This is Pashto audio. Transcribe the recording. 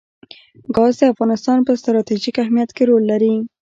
ګاز د افغانستان په ستراتیژیک اهمیت کې رول لري.